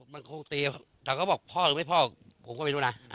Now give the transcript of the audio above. มันคงตีแต่เขาบอกพ่อหรือไม่พ่อผมก็ไม่รู้นะ